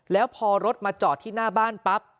แล้วพอรถมาจอดที่หน้าบ้านปั๊บ